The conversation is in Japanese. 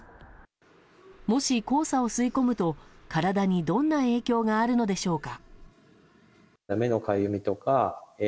もし黄砂を吸い込むと、体にどんな影響があるのでしょうか。